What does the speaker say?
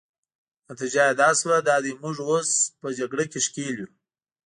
نتیجه يې دا شوه، دا دی موږ اوس په جګړه کې ښکېل یو.